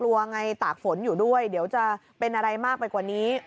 กลัวไงตากฝนอยู่ด้วยเดี๋ยวจะเป็นอะไรมากไปกว่านี้